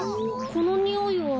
このにおいは。